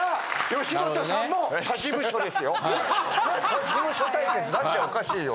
他事務所対決だっておかしいよ。